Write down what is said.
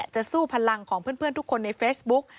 จะสู้พลังของเพื่อนทุกคนในเฟซบุ๊ก